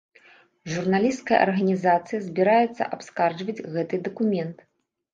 Журналісцкая арганізацыя збіраецца абскарджваць гэты дакумент.